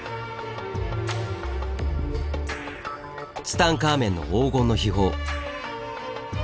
ツタンカーメンの黄金の秘宝。